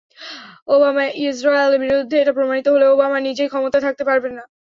Obama ইসরায়েলের বিরুদ্ধে, এটা প্রমাণিত হলে ওবামা নিজেই ক্ষমতায় থাকতে পারবেন না।